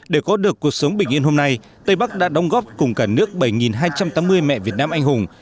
để có được cuộc sống bình yên hôm nay tây bắc đã đóng góp cùng cả nước bảy hai trăm tám mươi mẹ việt nam anh hùng